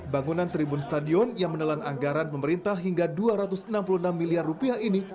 bangunan tribun stadion yang menelan anggaran pemerintah hingga dua ratus enam puluh enam miliar rupiah ini